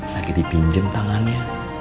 lagi dipinjam tangannya